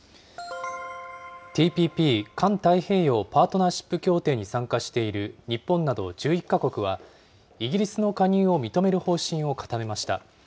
ＴＰＰ・環太平洋パートナーシップ協定に参加している日本など１１か国は、イギリスの加入を認める方針を固めました。